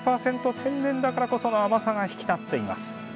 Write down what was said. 天然だからこその甘さが引き立っています。